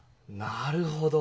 なるほど。